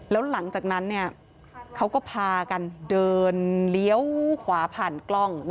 แล้วหลังจากนั้นเนี่ยเขาก็พากันเดินเลี้ยวขวาผ่านกล้อง